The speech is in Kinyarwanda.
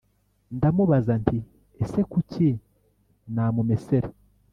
ndamubaza nti: ese kuki namumesera